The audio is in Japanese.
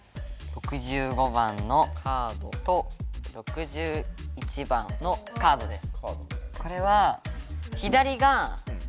６５番のカードと６１番のカードです。